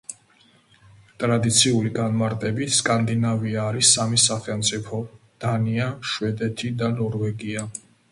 ტრადიციული განმარტებით სკანდინავია არის სამი სახელმწიფო: დანია, შვედეთი და ნორვეგია.